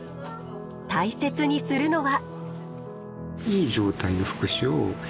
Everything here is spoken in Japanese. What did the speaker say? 大切にするのは。